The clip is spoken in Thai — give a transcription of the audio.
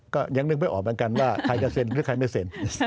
ก็ยังนึกไม่ออกเหมือนกันว่าใครจะเซ็นหรือใครไม่เซ็น